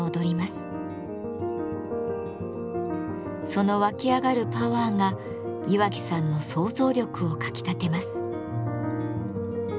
その沸き上がるパワーが岩木さんの想像力をかきたてます。